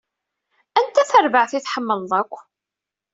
Anta tarbaɛt i tḥemmleḍ akk?